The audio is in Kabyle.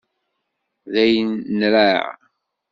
Dayen, nraε.